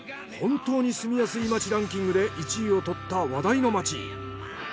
本当に住みやすい街ランキングで１位を獲った話題の街。